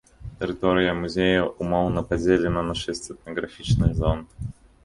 Тэрыторыя музея ўмоўна падзелена на шэсць этнаграфічных зон.